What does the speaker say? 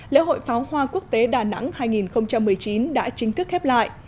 lễ hội pháo hoa quốc tế đà nẵng hai nghìn một mươi chín đã chính thức khép lại